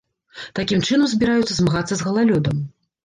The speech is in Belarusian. Такім чынам збіраюцца змагацца з галалёдам.